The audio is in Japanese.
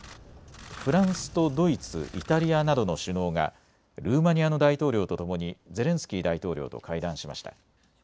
フランスとドイツ、イタリアなどの首脳がルーマニアの大統領とともにゼレンスキー大統領と会談しました。